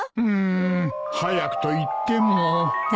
うん早くといっても。